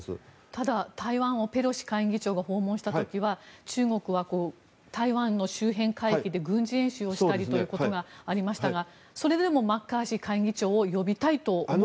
ただ、台湾をペロシ下院議長が訪問した時は中国は台湾の周辺海域で軍事演習をしたりということがありましたが、それでもマッカーシー下院議長を呼びたいと。